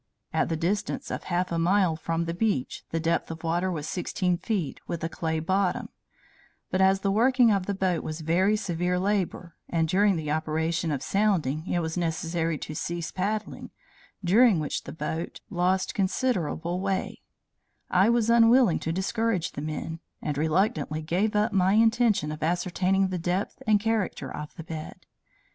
At the distance of half a mile from the beach, the depth of water was sixteen feet, with a clay bottom; but, as the working of the boat was very severe labor, and during the operation of sounding, it was necessary to cease paddling, during which the boat lost considerable way, I was unwilling to discourage the men, and reluctantly gave up my intention of ascertaining the depth and character of the bed.